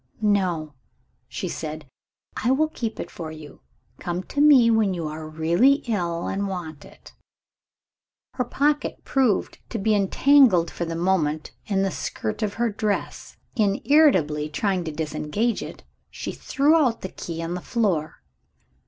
"No," she said; "I will keep it for you. Come to me when you are really ill, and want it." Her pocket proved to be entangled for the moment in the skirt of her dress. In irritably trying to disengage it, she threw out the key on the floor.